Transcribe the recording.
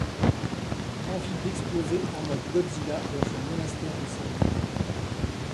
Envie d’exploser en mode Godzilla dans ce monastère de sérénité.